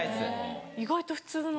意外と普通の。